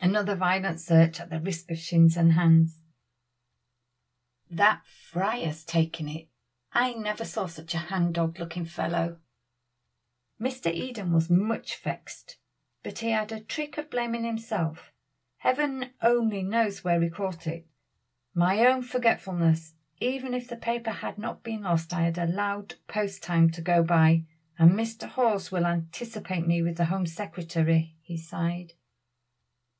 Another violent search at the risk of shins and hands. "That Fry has taken it. I never saw such a hang dog looking fellow." Mr. Eden was much vexed; but he had a trick of blaming himself, Heaven only knows where he caught it. "My own forgetfulness; even if the paper had not been lost I had allowed post time to go by and Mr. Hawes will anticipate me with the Home Secretary." He sighed.